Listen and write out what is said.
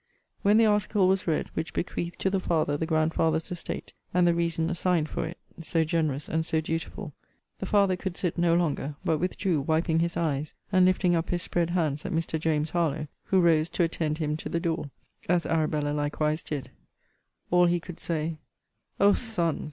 When the article was read which bequeathed to the father the grandfather's estate, and the reason assigned for it, (so generous and so dutiful,) the father could sit no longer; but withdrew, wiping his eyes, and lifting up his spread hands at Mr. James Harlowe; who rose to attend him to the door, as Arabella likewise did All he could say O Son!